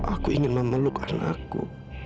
aku ingin memeluk anakku